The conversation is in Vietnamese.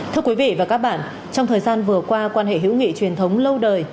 thưa quý vị và các bạn trong thời gian vừa qua quan hệ hữu nghị truyền thống lâu đời